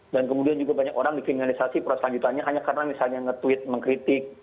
dan kemudian juga banyak orang dikriminalisasi proses lanjutannya hanya karena misalnya nge tweet mengkritik